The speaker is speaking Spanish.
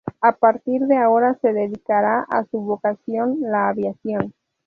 A partir de ahora se dedicará a su vocación, la aviación.